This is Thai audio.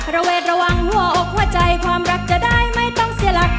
ระเวทระวังหัวอกหัวใจความรักจะได้ไม่ต้องเสียหลัก